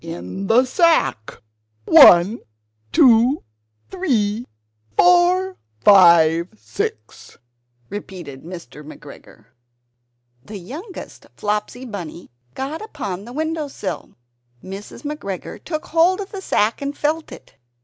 "In the sack! one, two, three, four, five, six!" replied Mr. McGregor. (The youngest Flopsy Bunny got upon the windowsill.) Mrs. McGregor took hold of the sack and felt it.